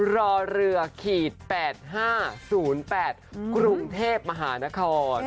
รอเรือขีด๘๕๐๘กรุงเทพมหานคร